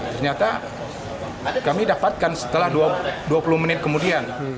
ternyata kami dapatkan setelah dua puluh menit kemudian